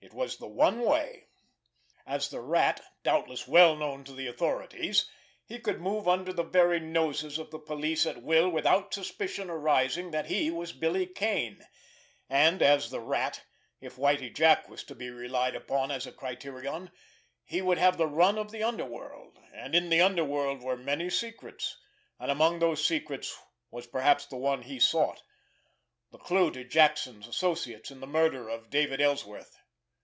It was the one way! As the Rat, doubtless well known to the authorities, he could move under the very noses of the police at will without suspicion arising that he was Billy Kane; and as the Rat, if Whitie Jack was to be relied upon as a criterion, he would have the run of the underworld, and in the underworld were many secrets, and amongst those secrets was perhaps the one he sought—the clue to Jackson's associates in the murder of David Ellsworth.